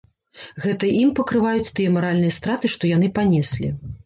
Гэта ім пакрываюць тыя маральныя страты, што яны панеслі.